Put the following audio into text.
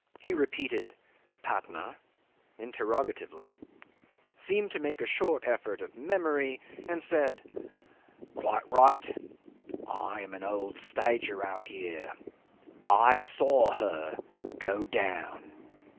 He repeated Patna? interrogatively, seemed to make a short effort of memory, and said: "Quite right. I am an old stager out here. I saw her go down."